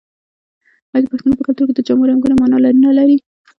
آیا د پښتنو په کلتور کې د جامو رنګونه مانا نلري؟